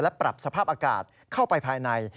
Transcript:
และปรับสภาพอากาศเข้าไปภายใน